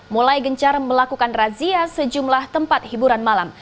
mulai gencar melakukan razia sejumlah tempat hiburan malam